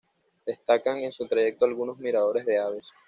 Destacan en su trayecto algunos miradores de aves.